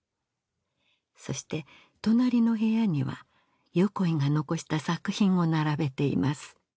そして隣の部屋には横井が残した作品を並べています